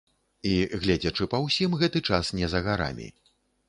І, гледзячы па ўсім, гэты час не за гарамі.